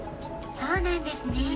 そうなんですね。